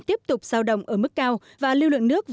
tiếp tục sao động ở mức cao